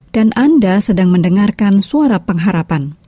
dan anda sedang mendengarkan suara pengharapan